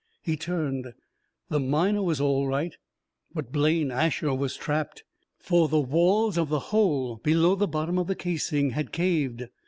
He turned. The Miner was all right, but Blaine Asher was trapped! For the walls of the hole below the bottom of the casing had caved.